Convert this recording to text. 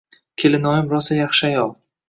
Kelinoyim rosa yaxshi ayol